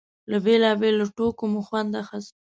له بېلابېلو ټوکو مو خوند اخيست.